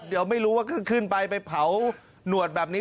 เดี๋ยวไม่รู้ว่าขึ้นไปไปเผาหนวดแบบนี้